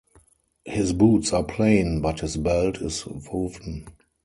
His boots are plain, but his belt is woven.